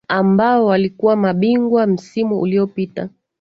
ambao walikuwa mabingwa msimu uliopita